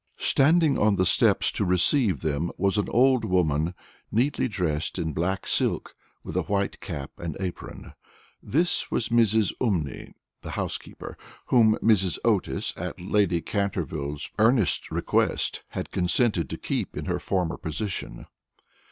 Standing on the steps to receive them was an old woman, neatly dressed in black silk, with a white cap and apron. This was Mrs. Umney, the housekeeper, whom Mrs. Otis, at Lady Canterville's earnest request, had consented to keep in her former position.